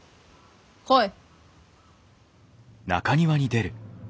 来い。